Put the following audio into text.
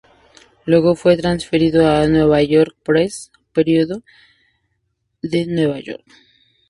Luego fue transferido a "New York Press", periódico de Nueva York.